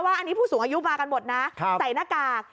ว่าอันนี้ผู้สูงอายุมากันหมดนะใส่หน้ากาก